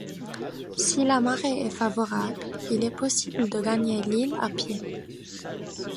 Si la marée est favorable, il est possible de gagner l'île à pied.